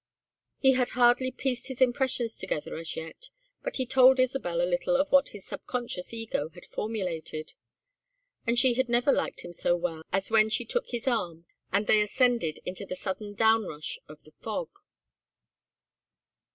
He had hardly pieced his impressions together as yet, but he told Isabel a little of what his subconscious ego had formulated, and she had never liked him so well as when she took his arm and they ascended into the sudden downrush of the fog.